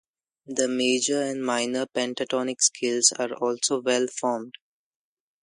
The major and minor pentatonic scales are also well formed.